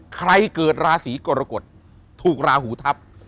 เกิดราศีกรกฎถูกราหูทับ